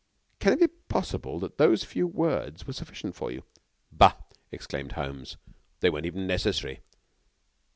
"Can it be possible that those few words were sufficient for you?" "Bah!" declared Holmes, "they weren't even necessary.